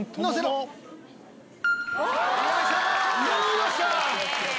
よっしゃ！